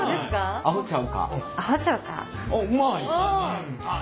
あっうまい。